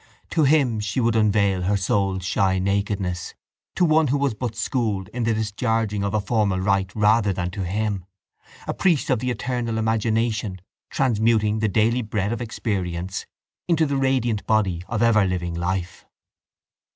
To him she would unveil her soul's shy nakedness, to one who was but schooled in the discharging of a formal rite rather than to him, a priest of the eternal imagination, transmuting the daily bread of experience into the radiant body of everliving life.